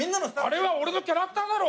あれは俺のキャラクターだろ！